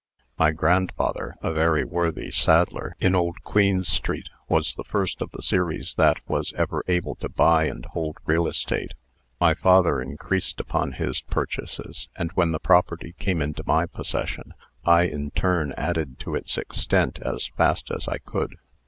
My grandfather, a very worthy saddler, in old Queen's street, was the first of the series that was ever able to buy and hold real estate. My father increased upon his purchases, and, when the property came into my possession, I, in turn, added to its extent as fast as I could.